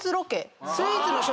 スイーツの食